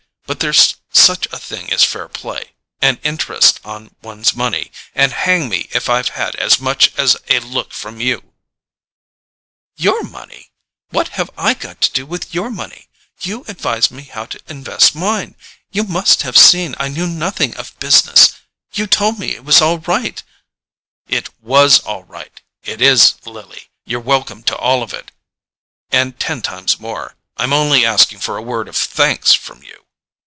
But there's such a thing as fair play—and interest on one's money—and hang me if I've had as much as a look from you——" "Your money? What have I to do with your money? You advised me how to invest mine ... you must have seen I knew nothing of business ... you told me it was all right——" "It WAS all right—it is, Lily: you're welcome to all of it, and ten times more. I'm only asking for a word of thanks from you."